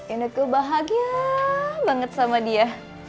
enakku bahagia banget sama dia